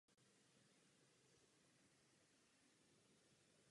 S. Leigh.